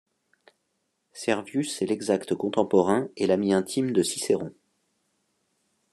Servius est l'exact contemporain et l'ami intime de Cicéron.